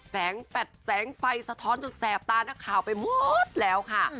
แฟดแสงไฟสะท้อนจนแสบตานักข่าวไปหมดแล้วค่ะ